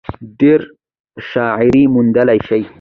ډېره شاعري موندلے شي ۔